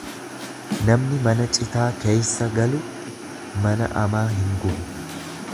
Namni mana citaa keeysa galu mana amaa hin gubu.